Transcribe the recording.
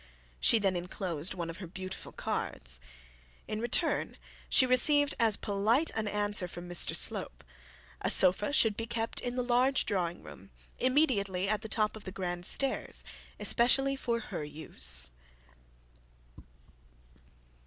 She then enclosed one of her beautiful cards. In return she received as polite an answer from Mr Slope a sofa should be kept in the large drawing room, immediately at the top of the grand stairs, especially for her use.